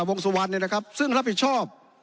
วงสุวรรณเนี่ยนะครับซึ่งรับผิดชอบ